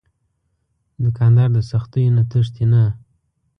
دوکاندار د سختیو نه تښتي نه.